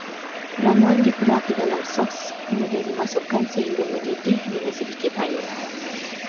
Ramuan diperap di dalam sos, kemudian dimasukkan sehingga mendidih dengan sedikit air